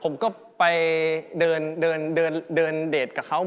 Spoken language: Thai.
มีค่ะครับ